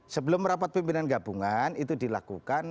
sebelum rapat pimpinan gabungan itu dilakukan